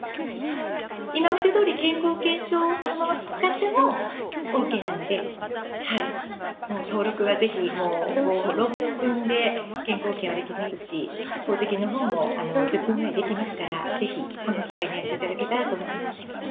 今までどおり健康保険証をそのまま使ってもオーケーなので登録はぜひ５、６分で健康保険はできますし公金の方も１０分ぐらいでできますから、ぜひこの機会にやっていただけたらと思います。